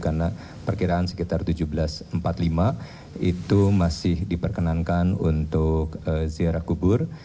karena perkiraan sekitar tujuh belas empat puluh lima itu masih diperkenankan untuk ziarah kubur